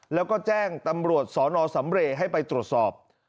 แล้วก็แจ้งตำรวจสนสำเรย์ให้ไปตรวจสอบ